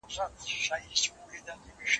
که ټول جهان طبيب سي، چاري واړه په نصيب سي.